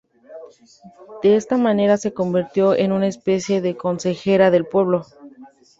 De esta manera, se convirtió en una especie de consejera del pueblo.